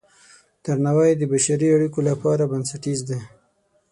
درناوی د بشري اړیکو لپاره بنسټیز دی.